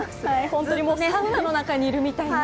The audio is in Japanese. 本当にサウナの中にいるみたいな。